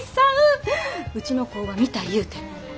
うちの工場見たいいうて。